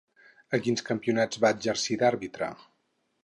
A quins campionats va exercir d'àrbitre?